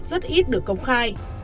rất ít được công khai